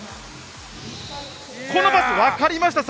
このパス、分かりました？